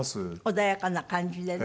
穏やかな感じでね。